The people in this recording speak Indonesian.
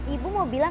ibu mau bilang